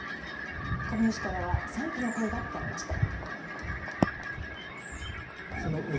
株主からは賛否の声が聞かれました。